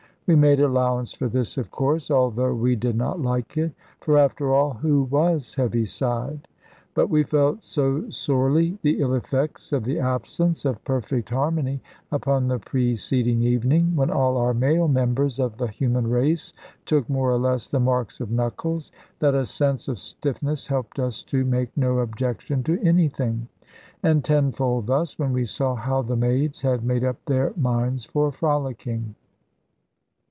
We made allowance for this, of course, although we did not like it. For, after all, who was Heaviside? But we felt so sorely the ill effects of the absence of perfect harmony upon the preceding evening (when all our male members of the human race took more or less the marks of knuckles), that a sense of stiffness helped us to make no objection to anything. And tenfold thus, when we saw how the maids had made up their minds for frolicking.